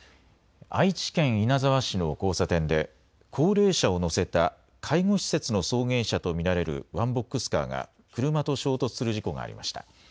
愛知県稲沢市の交差点で高齢者を乗せた介護施設の送迎車と見られるワンボックスカーが車と衝突する事故がありました。